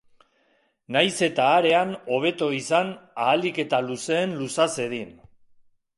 Nahiz eta arean hobeto izan ahalik eta luzeen luza zedin.